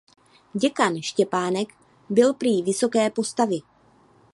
Děkan Štěpánek byl prý vysoké postavy.